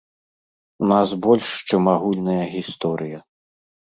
У нас больш, чым агульная гісторыя.